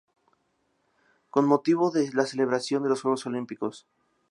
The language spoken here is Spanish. Con motivo de la celebración de los juegos olímpicos.